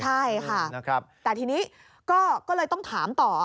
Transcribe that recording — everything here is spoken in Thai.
ใช่ค่ะแต่ทีนี้ก็เลยต้องถามต่อ